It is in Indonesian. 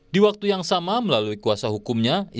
di waktu yang sama melalui kuasa hukumnya